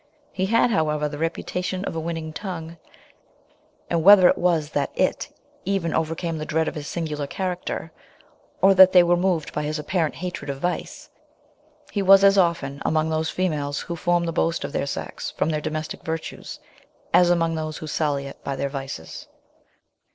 He had, however, the reputation of a winning tongue; and whether it was that it even overcame the dread of his singular character, or that they were moved by his apparent hatred of vice, he was as often among those females who form the boast of their sex from their domestic virtues, as among those who sully it by their vices.